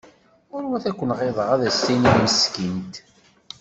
Ɣurwat ad ken-ɣiḍeɣ ad as-tinim meskint.